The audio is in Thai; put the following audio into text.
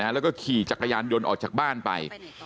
แล้วก็ขี่จักรยานยนต์ออกจากบ้านไป